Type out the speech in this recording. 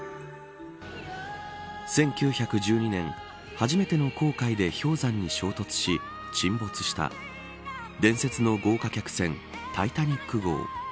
１９１２年初めての航海で氷山に衝突し沈没した伝説の豪華客船タイタニック号。